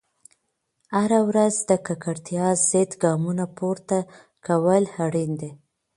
هره ورځ د ککړتیا ضد ګامونه پورته کول اړین دي.